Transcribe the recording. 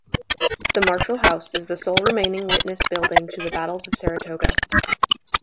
The Marshall House is the sole remaining witness building to the Battles of Saratoga.